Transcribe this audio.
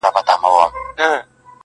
هغه تصورات او نظریات نیولي